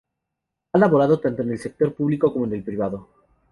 Ha laborado tanto en el sector público como en el privado.